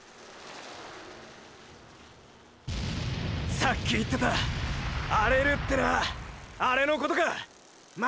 さっき言ってた“荒れる”ってなァあれのことかァ